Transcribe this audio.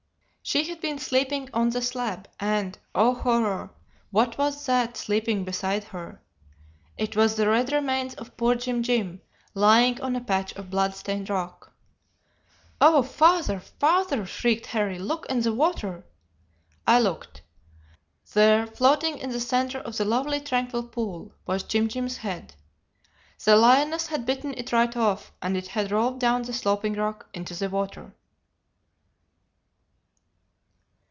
"She had been sleeping on the slab, and oh, horror! what was that sleeping beside her? It was the red remains of poor Jim Jim, lying on a patch of blood stained rock. "'Oh! father, father!' shrieked Harry, 'look in the water!' "I looked. There, floating in the centre of the lovely tranquil pool, was Jim Jim's head. The lioness had bitten it right off, and it had rolled down the sloping rock into the water."